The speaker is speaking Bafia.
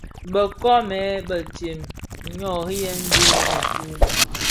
Bë nkoomèn bëntsem nnoriyèn bi mëku.